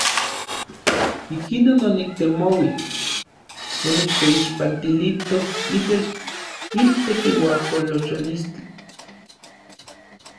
Ikinon oniktemouij onikteixpantilito itech intekiuajolocholis.